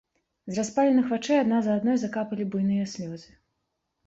З распаленых вачэй адна за адной закапалі буйныя слёзы.